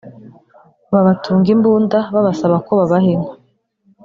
babatunga imbunda babasaba ko babaha inka